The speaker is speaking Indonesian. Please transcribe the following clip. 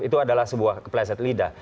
itu adalah sebuah kepleset lidah